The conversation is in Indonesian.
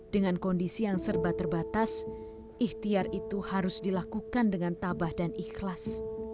dengan kondisi yang serba terbatas ikhtiar itu harus dilakukan dengan tabah dan ikhlas